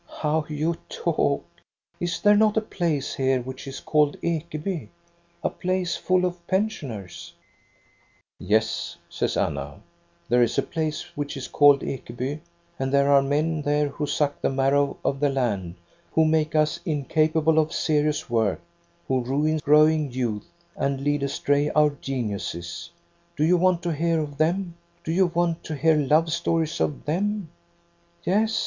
"" How you talk ! Is there not a place here which is called Ekeby, — a place full of pensioners }" "Yes," says Anna, "there is a place which is called Ekeby, and there are men there who suck the marrow of the land, who make us incapable of seri ous work, who ruin growing youth, and lead astray our geniuses. Do you want to hear of them ? Do you want to hear love stories of them 1 "" Yes.